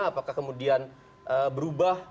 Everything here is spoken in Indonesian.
apakah kemudian berubah